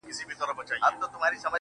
سیاه پوسي ده، افغانستان دی.